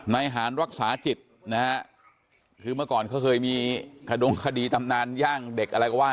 หารรักษาจิตนะฮะคือเมื่อก่อนเขาเคยมีขดงคดีตำนานย่างเด็กอะไรก็ว่า